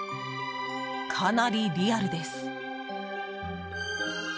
かなりリアルです。